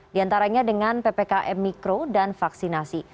diantaranya dengan ppkm mikro dan vaksinasi